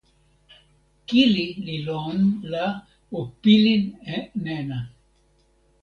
kili li lon, la o pilin e nena!